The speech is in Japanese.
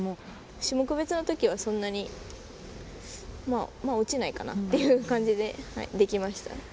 種目別のときはそんなにまあ落ちないかなっていう感じでできました。